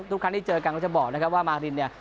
ทุกครั้งที่เจอกันก็จะบอกนะครับว่ามารินเนี่ย